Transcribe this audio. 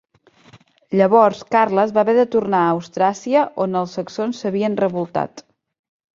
Llavors Carles va haver de tornar a Austràsia on els saxons s'havien revoltat.